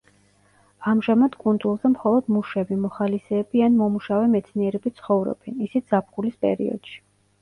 ამჟამად, კუნძულზე მხოლოდ მუშები, მოხალისეები ან მომუშავე მეცნიერები ცხოვრობენ, ისიც ზაფხულის პერიოდში.